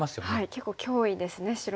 結構脅威ですね白は。